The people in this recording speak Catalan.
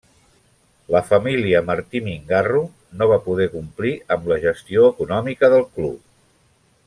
La família Martí Mingarro no va poder complir amb la gestió econòmica del club.